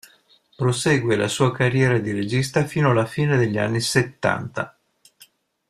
Prosegue la sua carriera di regista fino alla fine degli anni settanta.